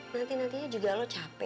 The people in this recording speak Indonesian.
nanti nantinya juga lo capek